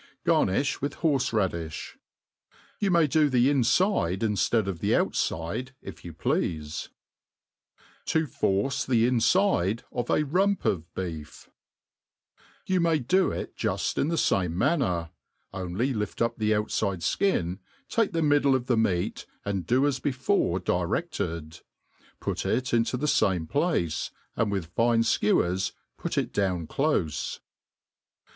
Garnilh with horfe radi£b» You may do the infide inftead of the outfide if you pleafe* To force thi Injide of a Rump of Beef YQU may do it juft in the fame manner, only lift up the outfide* (kin, take the middle of the meat, and do as before di ^ tt&ti i put it into the fame places aiid with fine ikeWers put i{ down dofe.